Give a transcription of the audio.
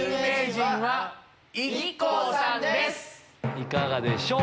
いかがでしょう？